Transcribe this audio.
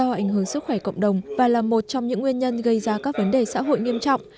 do ảnh hưởng sức khỏe cộng đồng và là một trong những nguyên nhân gây ra các vấn đề xã hội nghiêm trọng